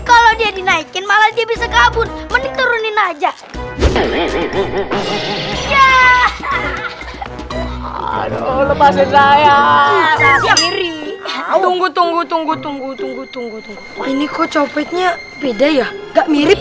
aduh lepasin saya tunggu tunggu tunggu tunggu tunggu tunggu ini kok copetnya beda ya gak mirip